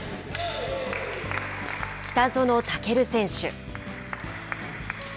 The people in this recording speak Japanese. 北園丈琉選手。